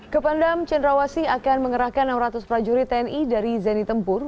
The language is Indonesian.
kepandam cendrawasih akan mengerahkan enam ratus prajurit tni dari zeni tempur